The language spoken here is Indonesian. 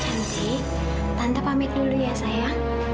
cantik tante pamit dulu ya sayang